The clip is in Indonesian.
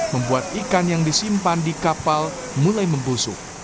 membuat ikan yang disimpan di kapal mulai membusuk